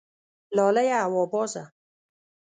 لالیه هوا بازه